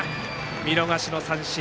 見逃しの三振。